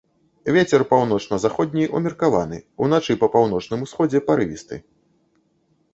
Вецер паўночна-заходні ўмеркаваны, уначы па паўночным усходзе парывісты.